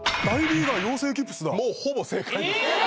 もうほぼ正解です何？